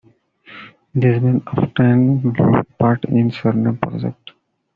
These men often took part in surname projects.